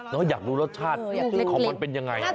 อยากรู้รสชาติของมันเป็นยังไง